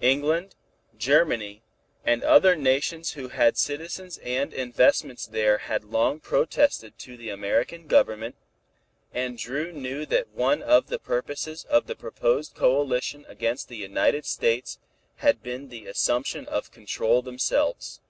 England, Germany and other nations who had citizens and investments there had long protested to the American Government, and Dru knew that one of the purposes of the proposed coalition against the United States had been the assumption of control themselves.